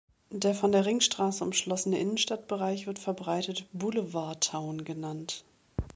Der von der Ringstraße umschlossene Innenstadtbereich wird verbreitet "Boulevard Town" genannt.